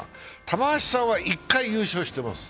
玉鷲さんは１回優勝してます。